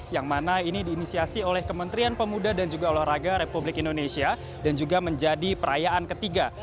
yang mana ini diinisiasi oleh kementerian pemuda dan juga olahraga republik indonesia dan juga menjadi perayaan ketiga